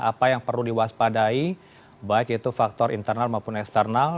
apa yang perlu diwaspadai baik itu faktor internal maupun eksternal